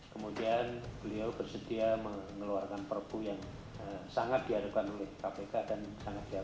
kemudian beliau bersedia mengeluarkan perbu yang sangat diharukan oleh kpk dan sangat berharap